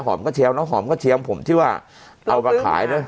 น้องหอมก็เชียวน้องหอมก็เชียวผมที่ว่าเอามาขายนะ